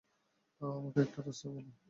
আমাকে একটা রাস্তা বল।